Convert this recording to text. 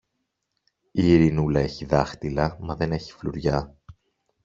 Η Ειρηνούλα έχει δάχτυλα, μα δεν έχει φλουριά!